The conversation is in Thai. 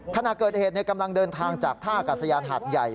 ขณะเกิดเหตุกำลังเดินทางจากท่าอากาศยานหาดใหญ่